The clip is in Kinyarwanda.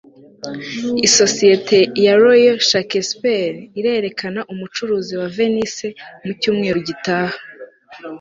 isosiyete ya royal shakespeare irerekana umucuruzi wa venise mu cyumweru gitaha